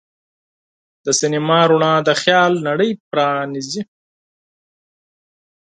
د سینما رڼا د خیال نړۍ پرانیزي.